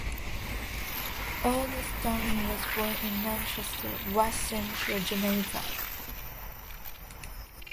Ernest Ranglin was born in Manchester, West Central Jamaica.